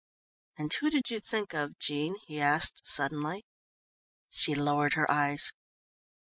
"And who did you think of, Jean?" he asked suddenly. She lowered her eyes.